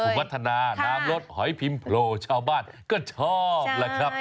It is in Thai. คุณพัฒนาน้ำรสหอยพิมพ์โผล่ชาวบ้านก็ชอบแล้วครับ